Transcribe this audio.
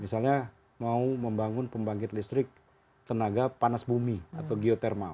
misalnya mau membangun pembangkit listrik tenaga panas bumi atau geotermal